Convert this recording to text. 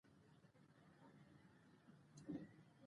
حامد کرزی